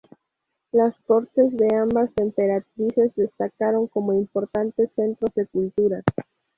Las cortes de ambas emperatrices destacaron como importantes centros de cultura.